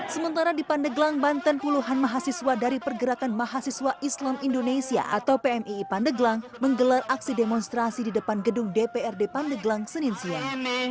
sementara di pandeglang banten puluhan mahasiswa dari pergerakan mahasiswa islam indonesia atau pmii pandeglang menggelar aksi demonstrasi di depan gedung dprd pandeglang senin siang